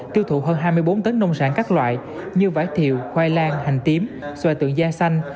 tiêu thụ hơn hai mươi bốn tấn nông sản các loại như vải thiều khoai lang hành tím xoài tượng da xanh